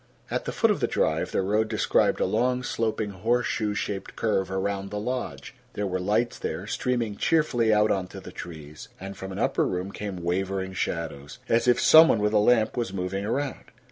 At the foot of the drive the road described a long, sloping, horseshoe shaped curve around the lodge. There were lights there, streaming cheerfully out on to the trees, and from an upper room came wavering shadows, as if some one with a lamp was moving around.